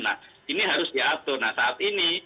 nah ini harus diatur nah saat ini